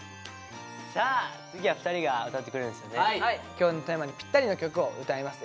今日のテーマにぴったりな曲を歌います。